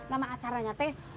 nama acaranya teh